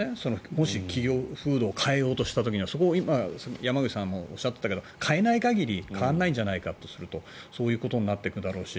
もし企業風土を変えようとした時にそこを今山口さんもおっしゃっていたけれど変わらない限り変わらないんじゃないかとするとそういうことになっていくだろうし。